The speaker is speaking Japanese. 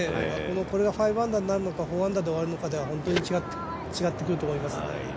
これが５アンダーになるのか、４アンダーで終わるのかで本当に違ってくると思いますので。